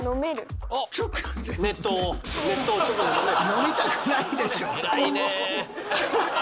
飲みたくないでしょ！